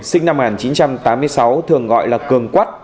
sinh năm một nghìn chín trăm tám mươi sáu thường gọi là cường quắt